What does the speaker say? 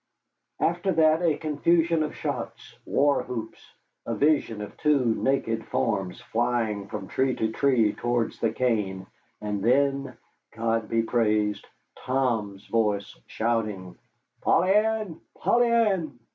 After that a confusion of shots, war whoops, a vision of two naked forms flying from tree to tree towards the cane, and then God be praised Tom's voice shouting: "Polly Ann! Polly Ann!"